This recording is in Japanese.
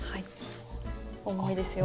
重いですよ。